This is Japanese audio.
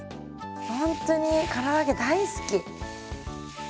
ほんとにから揚げ大好き。